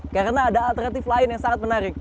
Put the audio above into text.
karena ada alternatif lain yang sangat menarik